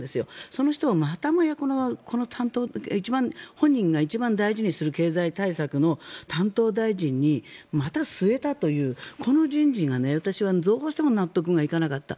その人をまたもや、この担当本人が一番大事にする経済対策の担当大臣にまた据えたというこの人事が私はどうしても納得がいかなかった。